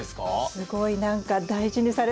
すごい何か大事にされてますね。